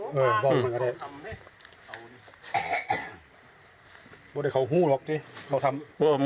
ไม่ได้เขาหู้หรอกสิ